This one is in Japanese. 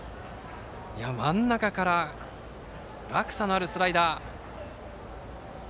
真ん中から落差のあるスライダー。